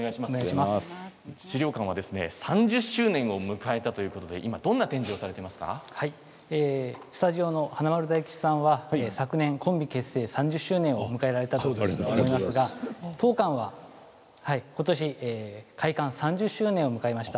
資料館は３０周年を迎えたということで今スタジオの華丸・大吉さん昨年コンビ結成３０周年をお迎えられたと聞きますが当館はことし開館３０周年を迎えました。